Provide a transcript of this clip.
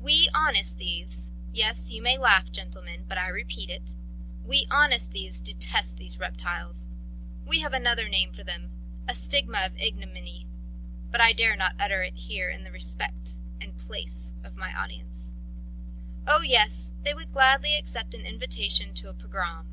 We, honest thieves... Yes, you may laugh, gentlemen, but I repeat it: we honest thieves detest these reptiles. We have another name for them, a stigma of ignominy; but I dare not utter it here out of respect for the place and for my audience. Oh, yes, they would gladly accept an invitation to a pogrom.